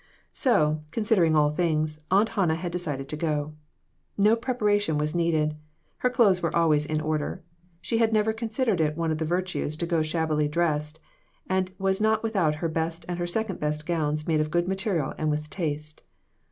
So, considering all things, Aunt Hannah had decided to go. No preparation was needed. Her clothes were always in order. She had never considered it one of the virtues to go shabbily dressed, and was not without her best and her second best gowns made of good material and with taste.